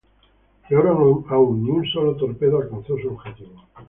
Peor aún, ni un solo torpedo alcanzó su objetivo.